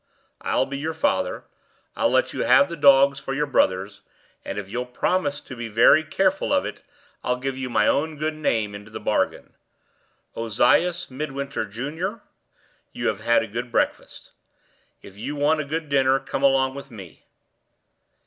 I'll be your father. I'll let you have the dogs for your brothers; and, if you'll promise to be very careful of it, I'll give you my own name into the bargain. Ozias Midwinter, Junior, you have had a good breakfast; if you want a good dinner, come along with me!